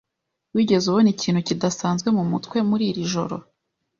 Wigeze ubona ikintu kidasanzwe mumutwe muri iri joro?